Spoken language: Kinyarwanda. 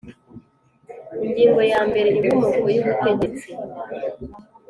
Ingingo ya mbere Inkomoko y ubutegetsi